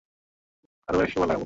আর একশো বার লাগাবো!